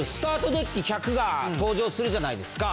デッキ１００が登場するじゃないですか。